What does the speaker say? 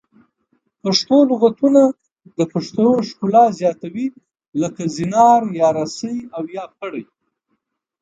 پښتو لغتونه د پښتو ښکلا زیاتوي لکه زنار یا رسۍ او یا پړی